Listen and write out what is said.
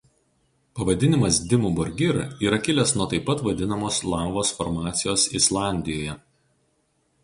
Pavadinimas Dimmu Borgir yra kilęs nuo taip pat vadinamos lavos formacijos Islandijoje.